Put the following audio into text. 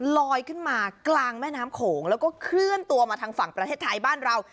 ลอยขึ้นมากลางแม่น้ำโขงแล้วก็เคลื่อนตัวมาทางฝั่งประเทศไทยบ้านเรา